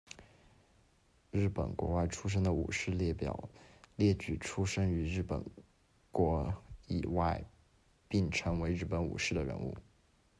日本国外出身的武士列表列举出生于日本国以外，并成为日本武士的人物。